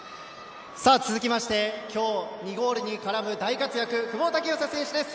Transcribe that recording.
続きまして今日２ゴールに絡む大活躍、久保建英選手です。